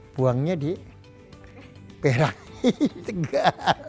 buangnya di perak tegal